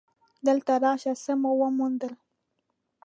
دلته راشه څه مې وموندل.